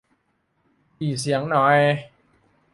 หรี่เสียงหน่อย